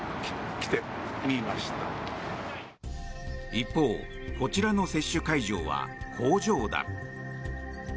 一方、こちらの接種会場は工場だ。